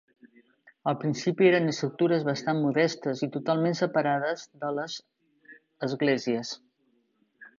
Al principi eren estructures bastant modestes i totalment separades de les esglésies.